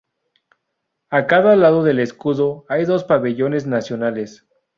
A cada lado del escudo hay dos pabellones nacionales.